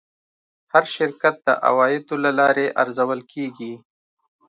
هر شرکت د عوایدو له لارې ارزول کېږي.